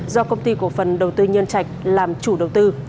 do công ty cổ phần đầu tư nhân trạch làm chủ đầu tư